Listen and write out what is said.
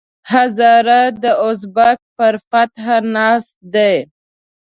هزاره د ازبک پر فاتحه ناست دی.